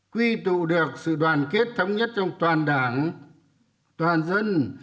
quy tụ được sự đoàn kết thống nhất trong toàn đảng toàn dân